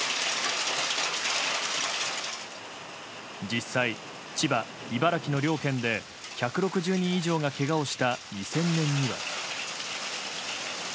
実際、千葉、茨城の両県で１６０人以上がけがをした２０００年には。